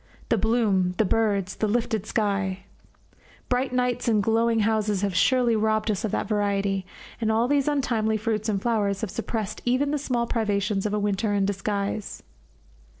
The bloom, the birds, the ifted sky! Bright nights and glowing houses have surely robbed us of that variety, and all these untimely fruits and flowers have suppressed even the small privations of a winter in disguise.